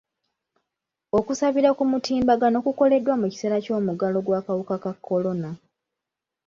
Okusabira ku mutimbagano kukoleddwa mu kiseera ky'omuggalo gw'akawuka ka kolona.